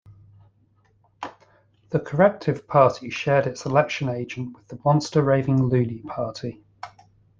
The Corrective Party shared its election agent with the Monster Raving Loony Party.